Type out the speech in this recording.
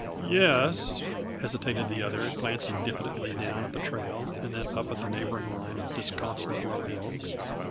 "Ye es," hesitated the other, glancing diffidently down at the trail and then up at the neighboring line of disconsolate, low hills.